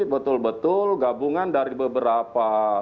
betul betul gabungan dari beberapa